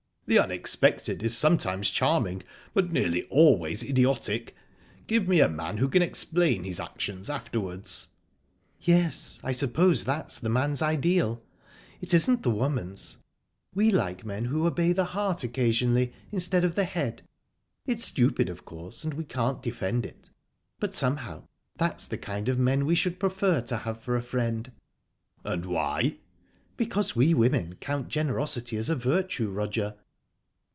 "The unexpected is sometimes charming, but nearly always idiotic. Give me a man who can explain his actions afterwards." "Yes, I suppose that's the man's ideal. It isn't the woman's. We like men who obey the heart occasionally, instead of the head. It's stupid, of course, and we can't defend it, but somehow that's the kind of men we should prefer to have for a friend." "And why?" "Because we women count generosity as a virtue, Roger."